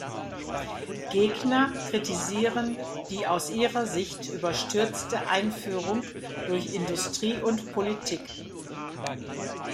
Gegner kritisieren die aus ihrer Sicht überstürzte Einführung durch Industrie und Politik.